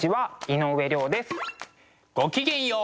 ごきげんよう。